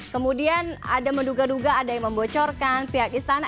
kemudian ada menduga duga ada yang membocorkan pihak istana